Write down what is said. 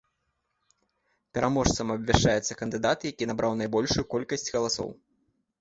Пераможцам абвяшчаецца кандыдат, які набраў найбольшую колькасць галасоў.